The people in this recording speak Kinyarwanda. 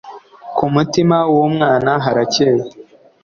ku mutima w umwana haracyeye